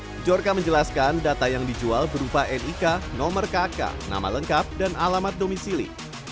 pujorka menjelaskan data yang dijual berupa nik nomor kk nama lengkap dan alamat domisili